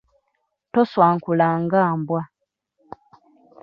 Toswankula nga mbwa.